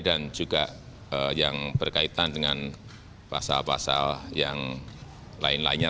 juga yang berkaitan dengan pasal pasal yang lain lainnya